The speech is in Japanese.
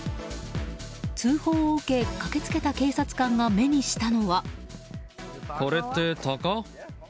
通報を受け、駆けつけた警察官が目にしたのは。